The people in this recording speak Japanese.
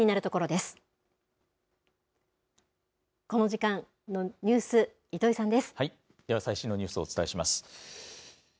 では最新のニュースをお伝えします。